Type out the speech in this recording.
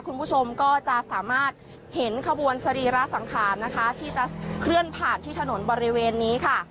คุณผู้ชมก็จะสามารถเห็นขบวนสรีระสังขารนะคะที่จะเคลื่อนผ่านที่ถนนบริเวณนี้ค่ะ